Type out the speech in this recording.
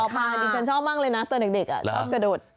มาดิฉันชอบมากเลยนะตอนเด็กชอบกระโดด